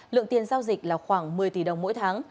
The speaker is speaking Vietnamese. lượng tiền giao dịch là khoảng một mươi tỷ đồng mỗi tháng